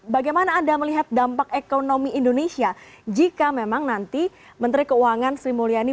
bagaimana anda melihat dampak ekonomi indonesia jika memang nanti menteri keuangan sri mulyani